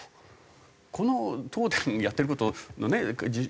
この東電のやってる事のね